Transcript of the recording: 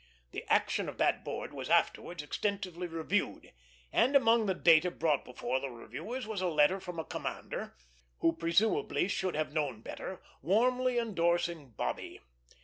The action of that board was afterwards extensively reviewed, and among the data brought before the reviewers was a letter from a commander, who presumably should have known better, warmly endorsing Bobby.